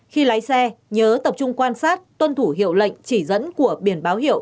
khi lái xe nhớ tập trung quan sát tuân thủ hiệu lệnh chỉ dẫn của biển báo hiệu